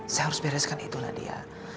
saya harus bereskan itu nadia